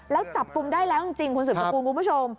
แล้วจับกลุ่มได้แล้วจริงคุณสืบสกุลคุณผู้ชม